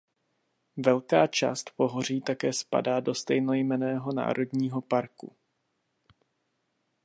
Velká část pohoří také spadá do stejnojmenného národního parku.